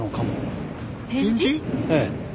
ええ。